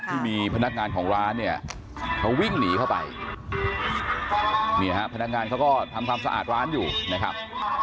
ที่มีพนักงานของร้านเนี่ยเขาวิ่งหนีเข้าไปเนี่ยฮะพนักงานเขาก็ทำความสะอาดร้านอยู่นะครับ